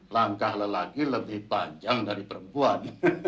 langkah lelaki lebih panjang dari perempuan